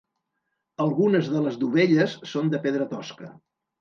Algunes de les dovelles són de pedra tosca.